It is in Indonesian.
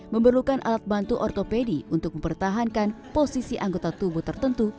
memerlukan alat bantu ortopedi untuk mempertahankan posisi anggota tubuh tertentu